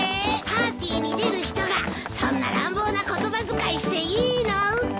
パーティーに出る人がそんな乱暴な言葉遣いしていいの？